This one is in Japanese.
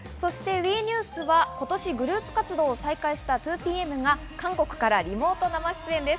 ＷＥニュースは今年、グループ活動を再開した２ＰＭが韓国からリモート生出演です。